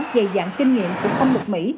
dày dạng kinh nghiệm của ông lục mỹ